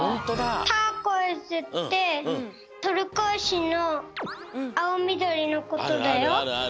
ターコイズってトルコいしのあおみどりのことだよ。